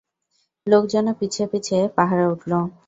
লোকজনও পিছে পিছে পাহাড়ে উঠল।